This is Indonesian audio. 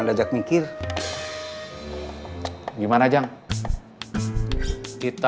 rasa tidak terpaksalah ngalamin ini dengan kita